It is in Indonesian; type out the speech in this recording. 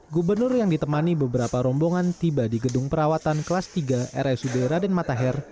gubernur yang ditemani beberapa rombongan tiba di gedung perawatan kelas tiga rsud raden matahir